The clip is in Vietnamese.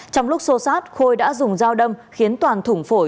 trong lúc xô sát khôi đã dùng dao đâm khiến toàn thủng phổi